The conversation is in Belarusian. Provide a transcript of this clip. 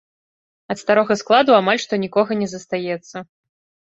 Ад старога складу амаль што нікога не застаецца.